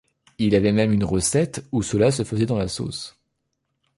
Il y avait même une recette où cela se faisait dans la sauce.